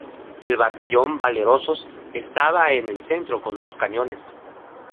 El batallón Valerosos estaba en el centro con dos cañones.